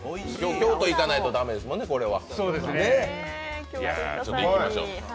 京都行かないと駄目ですもんね、これは。